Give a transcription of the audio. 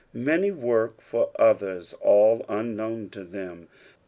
Many work for others all unknown to them.